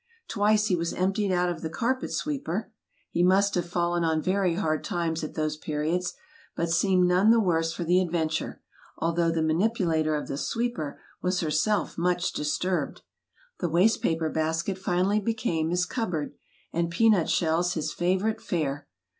Twice he was emptied out of the carpet sweeper (he must have fallen on very hard times at those periods), but seemed none the worse for the adventure, although the manipulator of the sweeper was herself much disturbed. The waste paper basket finally became his cupboard, and peanut shells his favorite fare.